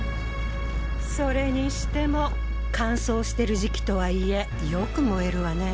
それにしても乾燥してる時期とはいえよく燃えるわね。